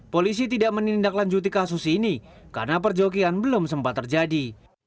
polisi tidak menindaklanjuti kasus ini karena perjokian belum sempat terjadi